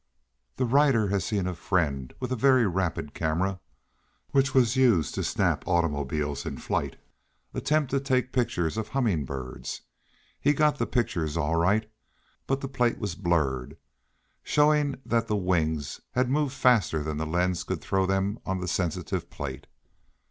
The writer has seen a friend, with a very rapid camera, which was used to snap automobiles in flight, attempt to take a picture of a humming bird. He got the picture, all right, but the plate was blurred, showing that the wings had moved faster than the lens could throw them on the sensitive plate.